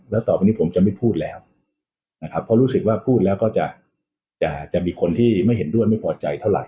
แล้วต่อไปนี้ผมจะไม่พูดแล้วนะครับเพราะรู้สึกว่าพูดแล้วก็จะจะมีคนที่ไม่เห็นด้วยไม่พอใจเท่าไห